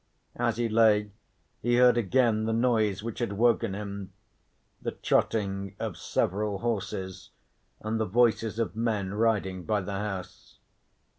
As he lay he heard again the noise which had woken him the trotting of several horses, and the voices of men riding by the house.